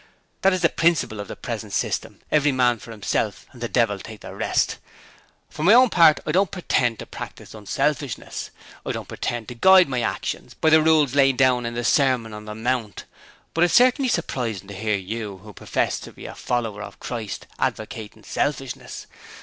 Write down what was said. That is the principle of the present system every man for himself and the devil take the rest. For my own part I don't pretend to practise unselfishness. I don't pretend to guide my actions by the rules laid down in the Sermon on the Mount. But it's certainly surprising to hear you who profess to be a follower of Christ advocating selfishness.